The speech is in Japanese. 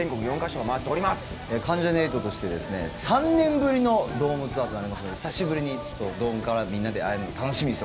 関ジャニ∞として３年ぶりのドームツアーとなりますので久しぶりにドームからみんなで会えるの楽しみにしております。